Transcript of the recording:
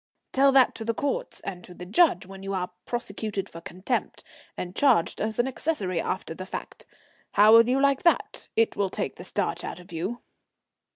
"Tell that to the Courts and to the Judge when you are prosecuted for contempt and charged as an accessory after the fact. How will you like that? It will take the starch out of you."